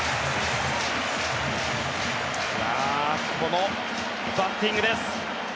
このバッティングです。